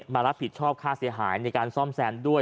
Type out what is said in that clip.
มารับผิดชอบค่าเสียหายในการซ่อมแซมด้วย